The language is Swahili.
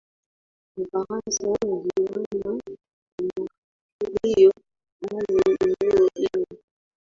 Kifaransa Guiana Kwa makadirio fulani eneo hili